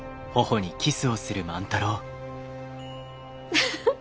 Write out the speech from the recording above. フフフ。